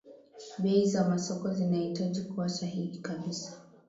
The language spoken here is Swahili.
bei za masoko zinahitaji kuwa sahihi kabisa